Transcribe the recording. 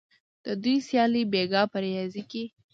د دوی سیالي بیګا په ریاض کې